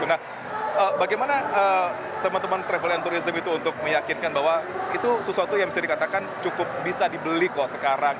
nah bagaimana teman teman travel and tourism itu untuk meyakinkan bahwa itu sesuatu yang bisa dikatakan cukup bisa dibeli kok sekarang